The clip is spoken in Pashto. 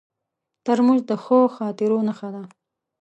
ترموز د ښو خاطرو نښه ده.